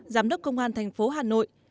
giám đốc công an tp hà nội